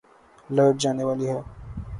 light جانے والی ہے